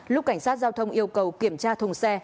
lúc cảnh sát giao thông yêu cầu kiểm tra thùng xe